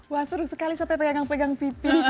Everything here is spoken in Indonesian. wah seru sekali saya pegang pegang pipi